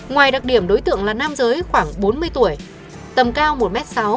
ngoài đặc điểm đối tượng là nam giới khoảng bốn mươi tuổi tầm cao một m sáu